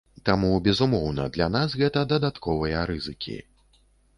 Таму, безумоўна, для нас гэта дадатковыя рызыкі.